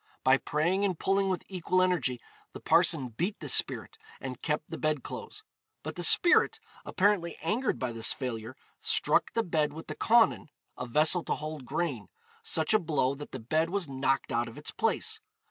By praying and pulling with equal energy, the parson beat the spirit, and kept the bed clothes. But the spirit, apparently angered by this failure, struck the bed with the cawnen (a vessel to hold grain) such a blow that the bed was knocked out of its place.